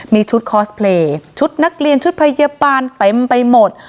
มีชุดคอสเพลย์ชุดนักเรียนชุดพยาบาลเต็มไปหมด